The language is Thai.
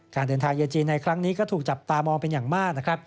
การเดินทางเยจีนในครั้งนี้ก็ถูกจับตามองเป็นอย่างมากนะครับ